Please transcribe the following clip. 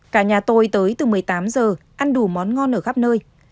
cả nhà tôi tới từ một mươi tám giờ ăn đủ món ngon ở khắp nơi